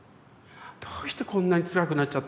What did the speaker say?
「どうしてこんなにつらくなっちゃったんだろう。